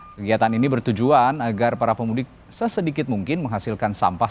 kegiatan ini bertujuan agar para pemudik sesedikit mungkin menghasilkan sampah